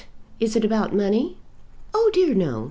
Is it about money?" "Oh, dear, no!